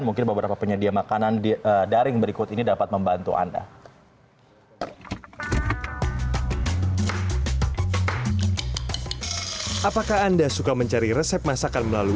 mungkin beberapa penyedia makanan daring berikut ini dapat membantu anda